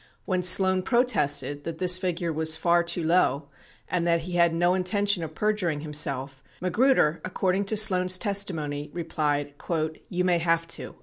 When Sloan pro tested that this figure was far too low and that he had no intention of perjuring himself, Magruder, according to Sloan's testimony, replied, "You may have to."